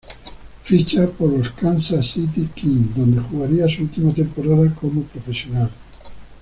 En ficha por los Kansas City Kings, donde jugaría su última temporada como profesional.